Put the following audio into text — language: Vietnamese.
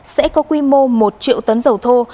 sẽ có quy mô một triệu tấn dầu thô